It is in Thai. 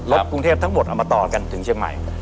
กรุงเทพทั้งหมดเอามาต่อกันถึงเชียงใหม่